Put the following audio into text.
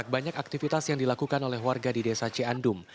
banyak aktivitas yang dilakukan oleh warga di desa ciandum